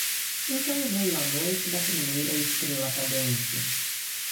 Então veio a noite da primeira estrela cadente.